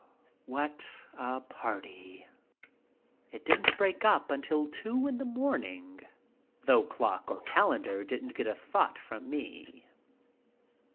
What a party ! It didn't break up until two in the morning, though clock or calendar didn't get a thought from me.